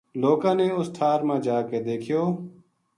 لوکاں نے اس ٹھار ما جا کے دیکھیو